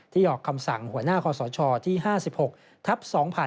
ที่ออกคำสั่งหัวหน้าข้อสอช่อที่๕๖ทับ๒๕๕๙